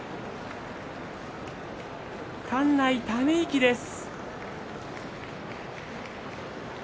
館内、ため息です。